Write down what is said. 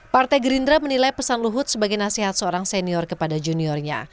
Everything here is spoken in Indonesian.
partai gerindra menilai pesan luhut sebagai nasihat seorang senior kepada juniornya